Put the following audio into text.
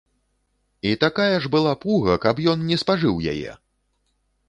І такая ж была пуга, каб ён не спажыў яе!